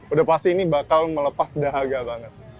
udah pasti ini bakal melepas dahaga banget